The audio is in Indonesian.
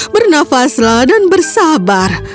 bernafaslah dan bersabar